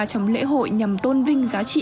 trong lễ hội nhằm tôn vinh giá trị